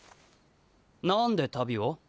何で旅を？